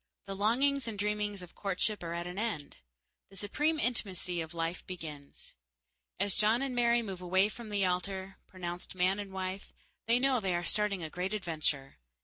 The longings and dreamings of courtship are at an end. The supreme intimacy of life begins. As John and Mary move away from the altar, pronounced man and wife, they know they are starting a great adventure.